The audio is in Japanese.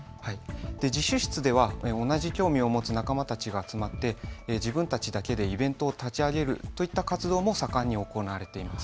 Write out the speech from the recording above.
自習室では同じ興味を持つ仲間たちが集まって自分たちだけでイベントを立ち上げるといった活動も盛んに行われています。